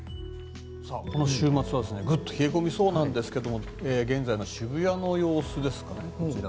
この週末はぐっと冷え込みそうなんですが現在の渋谷の様子です。